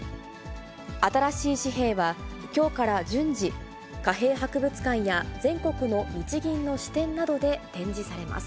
新しい紙幣は、きょうから順次、貨幣博物館や全国の日銀の支店などで展示されます。